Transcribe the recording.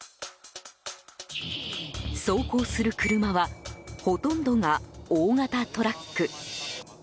走行する車はほとんどが大型トラック。